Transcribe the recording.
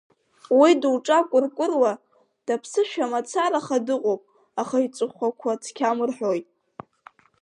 Уи дуҿакәыркәыруа, даԥсышәа мацараха дыҟоуп, аха иҵыхәақәа цқьам рҳәоит.